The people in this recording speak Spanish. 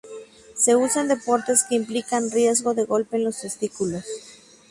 Se usa en deportes que implican riesgo de golpe en los testículos.